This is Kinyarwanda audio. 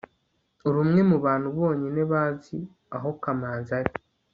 uri umwe mubantu bonyine bazi aho kamanzi ari